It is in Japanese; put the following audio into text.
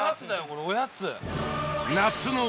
これおやつ。